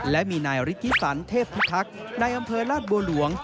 และมีนายฤทธิสันเทพพิทักษ์ในอำเภอราชบัวหลวง